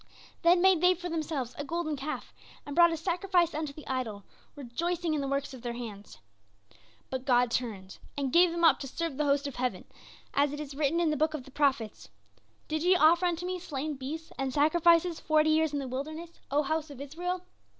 Then made they for themselves a golden calf, and brought a sacrifice unto the idol, rejoicing in the works of their hands. "But God turned, and gave them up to serve the host of heaven; as it is written in the book of the prophets: "'Did ye offer unto me slain beasts and sacrifices forty years in the wilderness, O house of Israel?